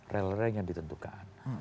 rail rank yang ditentukan